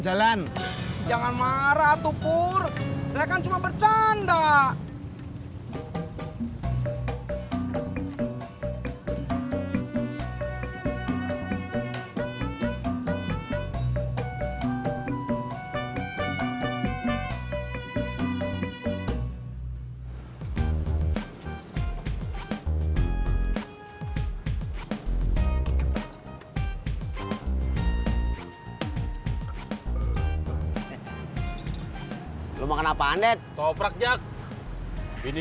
dari kemarin pagi